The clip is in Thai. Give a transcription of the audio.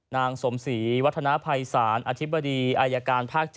นางสมศรีวัฒนภัยศาลอธิบดีอายการภาค๗